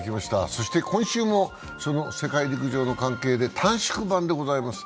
そして今週も、世界陸上の関係で短縮版でございます。